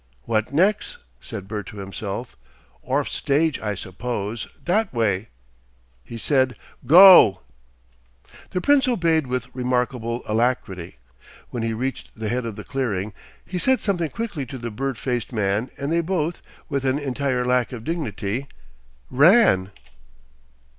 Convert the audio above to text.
"What nex'?" said Bert to himself. "'Orf stage, I suppose. That way," he said. "Go!" The Prince obeyed with remarkable alacrity. When he reached the head of the clearing, he said something quickly to the bird faced man and they both, with an entire lack of dignity, RAN!